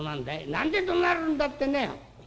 「何でどなるんだってね